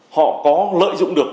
họ có lợi dụng được